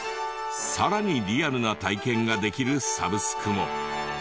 さらにリアルな体験ができるサブスクも。